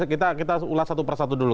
kita ulas satu persatu dulu